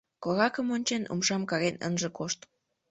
Коракым ончен, умшам карен ынже кошт!